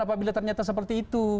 apabila ternyata seperti itu